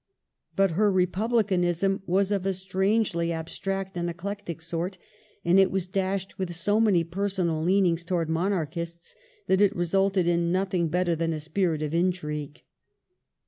But her republicanism was of a strangely abstract and eclectic sort, and it was dashed with so many personal leanings towards monarchists that it resulted in nothing better than a spirit of intrigue.